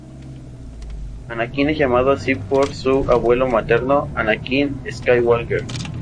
Anakin es llamado así por su abuelo materno Anakin Skywalker.